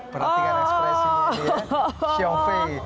perhatikan ekspresinya dia xiong fi